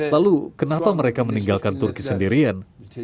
lalu kenapa mereka meninggalkan turki sendirian